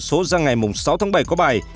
số ra ngày sáu tháng bảy có bài